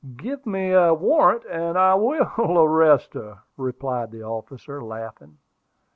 "Give me a proper warrant, and I will arrest her," replied the officer, laughing.